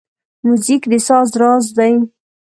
موزیک د ساز راز دی.